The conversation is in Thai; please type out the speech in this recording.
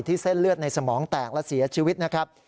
เส้นเลือดในสมองแตกและเสียชีวิตนะครับ